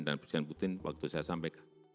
dan presiden putin waktu saya sampaikan